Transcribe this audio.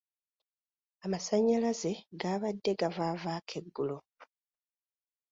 Amasannyalaze gaabadde gavaavaako eggulo.